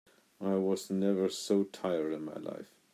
I was never so tired in my life.